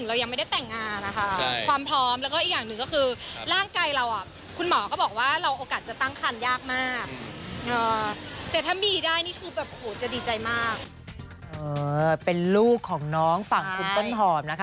แต่ถ้ามีได้นี่คือแบบโหจะดีใจมากเออเป็นลูกของน้องฝั่งคุณต้นหอมนะคะ